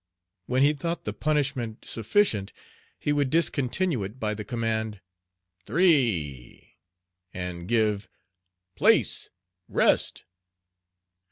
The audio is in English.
When he thought the punishment sufficient he would discontinue it by the command, "three," and give "place, rest."